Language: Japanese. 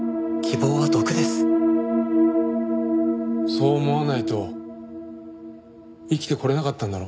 そう思わないと生きてこれなかったんだろ？